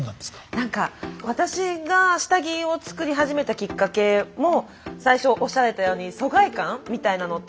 何か私が下着を作り始めたきっかけも最初おっしゃられたように疎外感みたいなのってあったんですよ。